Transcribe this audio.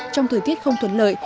trong thời tiết không thuận lợi